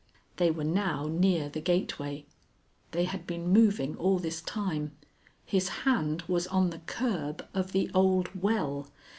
They were now near the gateway. They had been moving all this time. His hand was on the curb of the old well.